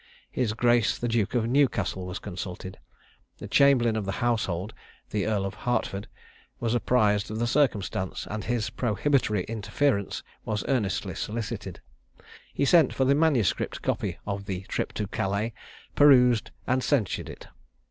His grace the Duke of Newcastle was consulted. The chamberlain of the household (the Earl of Hertford) was apprised of the circumstance; and his prohibitory interference was earnestly solicited. He sent for the manuscript copy of "The Trip to Calais." perused, and censured it.